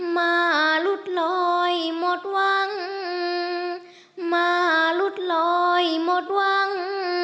มาหลุดลอยหมดหวังมาลุดลอยหมดหวัง